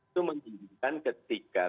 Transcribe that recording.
itu menjadikan ketika